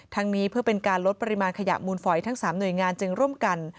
นี้เพื่อเป็นการลดปริมาณขยะมูลฝอยทั้ง๓หน่วยงานจึงร่วมกัน